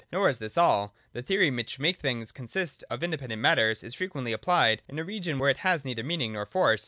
Nor is this all. The theory, which makes things consist of independent matters, is frequently apphed in a region where it has neither meaning nor force.